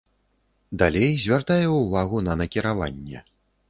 Далей звяртае ўвагу на накіраванне.